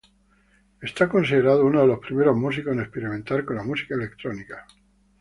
Es considerado uno de los primeros músicos en experimentar con la música electrónica.